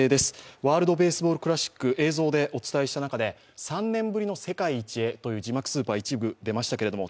ワールドベースボールクラシック、映像でお伝えした中で３年ぶりの世界一へという字幕スーパーが一部出ましたけれども、